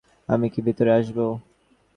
আমি কি ভিতরে আসবো?